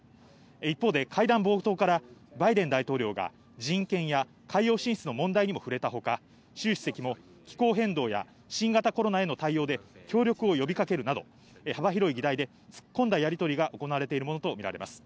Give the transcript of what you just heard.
一方で会談冒頭からバイデン大統領が人権や海洋進出の問題にも触れたほか、シュウ主席も気候変動や新型コロナへの対応で協力を呼びかけるなど幅広い議題で突っ込んだやりとりが行われているものとみられます。